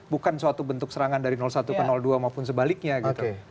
bukan suatu bentuk serangan dari satu ke dua maupun sebaliknya gitu